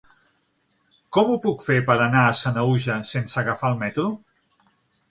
Com ho puc fer per anar a Sanaüja sense agafar el metro?